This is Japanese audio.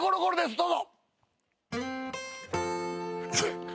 どうぞ。